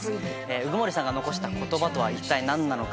鵜久森さんが残した言葉とは一体何なのか？